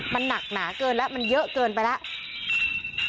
มันหนักหนาเกินแล้วมันเยอะเกินไปแล้ว